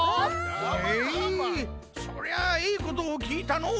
へえそりゃあええことをきいたのう！